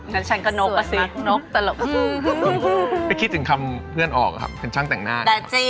งั้นฉันก็นกป่ะสิไม่คิดถึงคำเพื่อนออกอะครับเป็นช่างแต่งหน้า